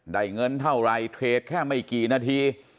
ได้เงินเท่าไหร่เทรดแค่ไม่กี่นาที